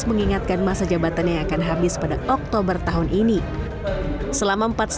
nggak ada perpanjangan soalnya mas